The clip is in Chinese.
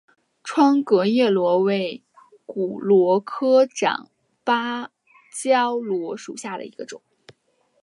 窗格骨螺为骨螺科长芭蕉螺属下的一个种。